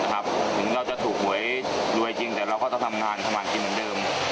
ถึงเราจะถูกหวยรวยจริงแต่เราก็จะทำงานทำมากินเหมือนเดิม